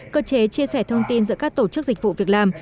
cơ chế chia sẻ thông tin giữa các tổ chức dịch vụ việc làm